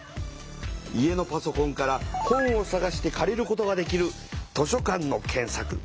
家のパソコンから本をさがして借りることができる図書館の検さく。